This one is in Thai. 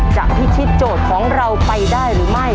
พิชิตโจทย์ของเราไปได้หรือไม่